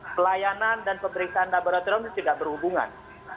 pelayanan dan pemeriksaan laboratorium ini tidak berhubungan